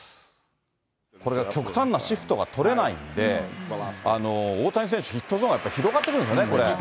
これは極端なシフトが取れないんで、大谷選手、ヒットゾーンがやっぱり広がっていくんですよね、これ。